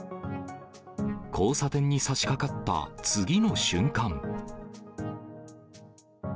交差点にさしかかった次の瞬間。